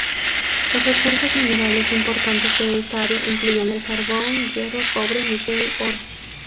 Los recursos minerales importantes de esta área incluyen el carbón, hierro, cobre, níquel, oro.